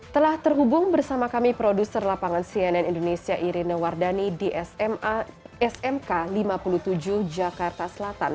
telah terhubung bersama kami produser lapangan cnn indonesia irina wardani di smk lima puluh tujuh jakarta selatan